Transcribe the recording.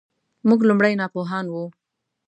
موږ لومړی ناپوهان وو .